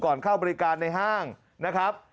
เข้าบริการในห้างนะครับ